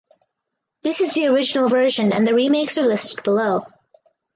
This is the original version and the remakes are listed below.